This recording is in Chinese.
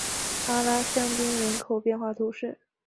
阿拉香槟人口变化图示